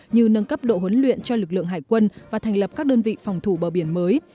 như nâng cấp độ huấn luyện cho lực lượng hải quân và thành lập các đơn vị phòng thủ bờ biển mới